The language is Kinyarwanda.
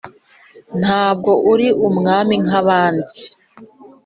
Ntabwo uri umwami nk’abandi